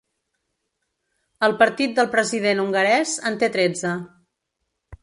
El partit del president hongarès en té tretze.